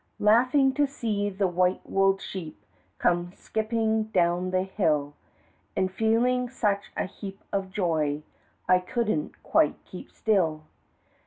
Laughin' to see the white wool'd sheep Come skippin' down the hill, An' feelin' such a heap of joy I couldn't quite keep still.